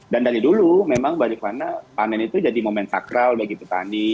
dan dari dulu memang mbak rifana panen itu jadi momen sakral bagi petani